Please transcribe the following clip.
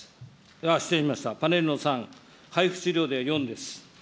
失礼しました、パネルの３、配布資料では４です。